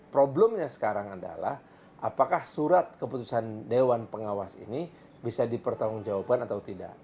problemnya sekarang adalah apakah surat keputusan dewan pengawas ini bisa dipertanggungjawabkan atau tidak